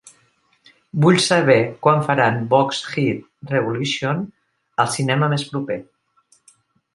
Vull saber quan faran Box Head Revolution al cinema més proper